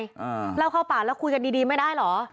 อ่าเล่าเข้าปากแล้วคุยกันดีดีไม่ได้เหรอ